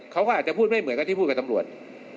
เขาก็อาจจะพูดไม่เหมือนกับที่พูดกับตำรวจ